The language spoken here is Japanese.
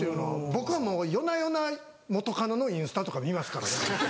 僕はもう夜な夜な元カノのインスタとか見ますからね。